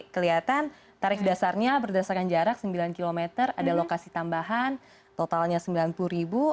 kelihatan tarif dasarnya berdasarkan jarak sembilan km ada lokasi tambahan totalnya sembilan puluh ribu